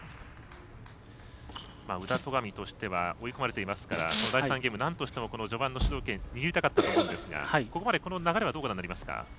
宇田、戸上としては追い込まれていますから第３ゲーム、なんとしても序盤の主導権を握りたかったと思うんですがここまで流れはどうご覧になりますか？